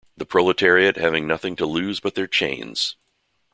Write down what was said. The proletariat have nothing to lose but their chains.